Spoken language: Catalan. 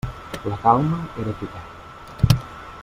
La calma era total.